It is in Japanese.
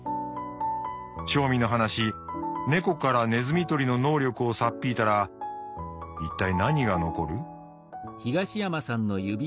「正味の話猫からネズミ捕りの能力をさっぴいたらいったいなにが残る？」。